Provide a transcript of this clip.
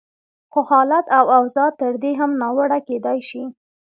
خو حالت او اوضاع تر دې هم ناوړه کېدای شي.